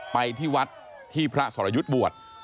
ไปที่วัดที่พระสรยุทธ์บวช